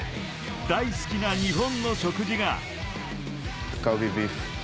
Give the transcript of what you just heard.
大好きな日本の食事が。